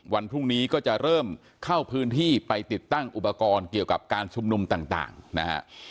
วันพรุ่งนี้ก็จะเริ่มเข้าพื้นที่ไปติดตั้งอุปกรณ์เกี่ยวกับการชุมนุมต่างนะฮะ